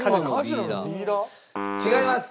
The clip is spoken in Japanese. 違います。